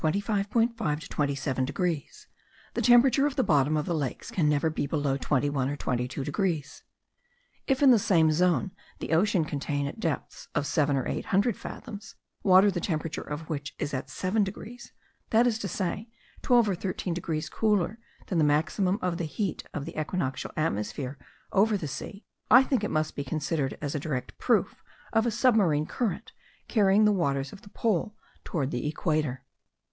5 to 27 degrees, the temperature of the bottom of the lakes can never be below 21 or 22 degrees. If in the same zone the ocean contain at depths of seven or eight hundred fathoms, water the temperature of which is at 7 degrees, that is to say, twelve or thirteen degrees colder than the maximum of the heat* of the equinoctial atmosphere over the sea, I think it must be considered as a direct proof of a submarine current, carrying the waters of the pole towards the equator.